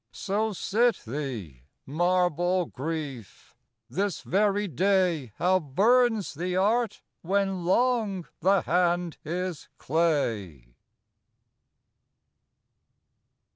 So sit thee, marble Grief ! this very day How burns the art when long the hand is clay